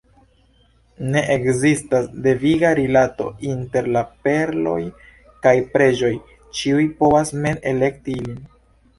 Ne ekzistas deviga rilato inter la perloj kaj preĝoj, ĉiu povas mem elekti ilin.